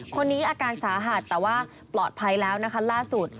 คนนี้อาการสาหัสแต่ว่าปลอดภัยแล้วนะคะล่าสุด